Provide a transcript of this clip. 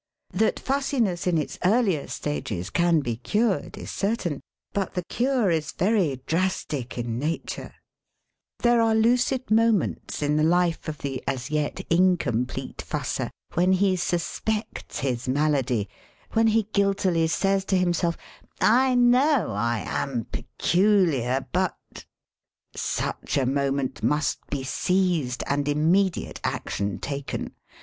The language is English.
That fussiness in its earlier stages can be cured is certain. But the cure is very drastic in nature. 80 SELF AND SELF MANAGEMENT There are lucid moments in the life of the as yet incomplete fusser when he suspects his malady, when he guiltily says to himself: ^^I know I am peculiar, but —^^ Such a moment must be seized, and immediate action taken.